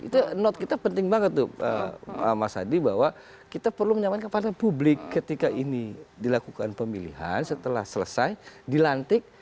itu note kita penting banget tuh mas hadi bahwa kita perlu menyampaikan kepada publik ketika ini dilakukan pemilihan setelah selesai dilantik